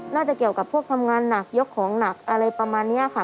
น่าจะเกี่ยวกับพวกทำงานหนักยกของหนักอะไรประมาณนี้ค่ะ